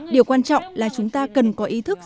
điều quan trọng là chúng ta cần có ý thức